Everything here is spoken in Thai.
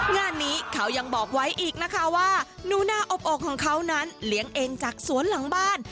งานนี้เขายังบอกไว้อีกนะคะว่าหนูหน้าอบอกของเขานั้นเลี้ยงเองจากสวนหลังบ้าน